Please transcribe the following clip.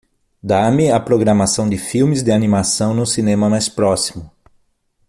Dá-me a programação de filmes de animação no cinema mais próximo